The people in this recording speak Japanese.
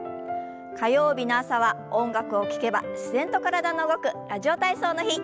火曜日の朝は音楽を聞けば自然と体が動く「ラジオ体操」の日。